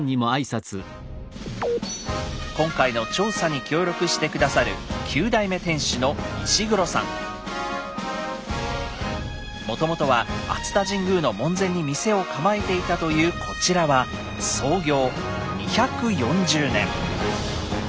今回の調査に協力して下さる９代目店主のもともとは熱田神宮の門前に店を構えていたというこちらは創業２４０年。